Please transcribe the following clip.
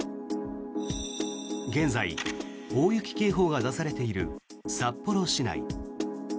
現在、大雪警報が出されている札幌市内。